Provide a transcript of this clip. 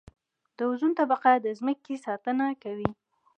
د اوزون طبقه د ځمکې ساتنه کوي